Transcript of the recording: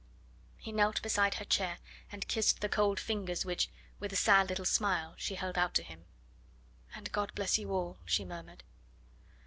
'" He knelt beside her chair and kissed the cold fingers which, with a sad little smile, she held out to him. "And God bless you all!" she murmured.